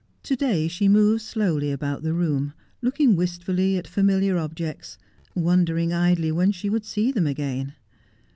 To day she moved slowly about the room, looking wistfully at familiar objects, wondering idly when she would see them again.